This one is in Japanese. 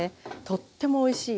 とってもおいしい。